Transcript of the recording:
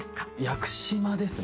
屋久島ですね。